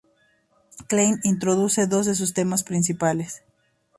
Klein introduce dos de sus temas principales.